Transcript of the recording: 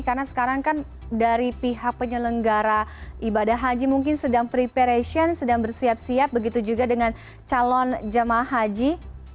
karena sekarang kan dari pihak penyelenggara ibadah haji mungkin sedang preparation sedang bersiap siap begitu juga dengan calon jemaah haji